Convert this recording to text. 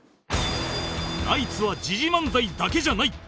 ナイツは時事漫才だけじゃない